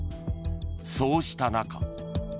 そうした中。